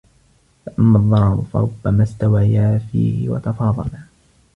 فَأَمَّا الضَّرَرُ فَرُبَّمَا اسْتَوَيَا فِيهِ وَتَفَاضَلَا